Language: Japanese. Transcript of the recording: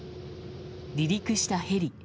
離陸したヘリ。